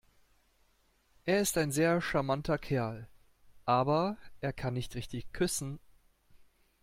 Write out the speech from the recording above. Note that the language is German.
Er ist ein sehr charmanter Kerl, aber er kann nicht richtig küssen.